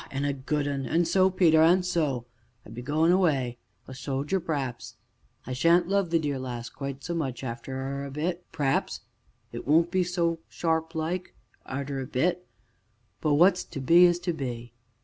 an' a good un. An' so Peter, an' so I be goin' away a sojer p'r'aps I shan't love the dear lass quite so much arter a bit p'r'aps it won't be quite so sharp like, arter a bit, but what's to be is to be.